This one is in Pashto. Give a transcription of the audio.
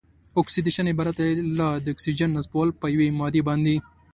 اکسیدیشن عبارت دی له د اکسیجن نصبول په یوې مادې باندې.